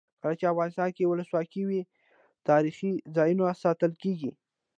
کله چې افغانستان کې ولسواکي وي تاریخي ځایونه ساتل کیږي.